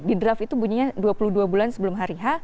di draft itu bunyinya dua puluh dua bulan sebelum hari h